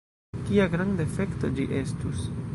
Kia granda efekto ĝi estus!